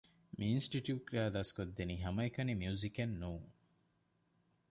މި އިންސްޓިޓިއުޓުގައި ދަސްކޮށްދެނީ ހަމައެކަނި މިއުޒިކެއް ނޫން